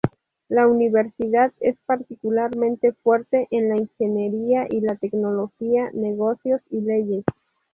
La universidad es particularmente fuerte en la ingeniería y la tecnología, negocios y leyes.